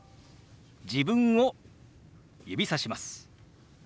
自分を指さします。